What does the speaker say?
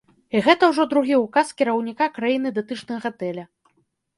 І гэта ўжо другі ўказ кіраўніка краіны датычны гатэля.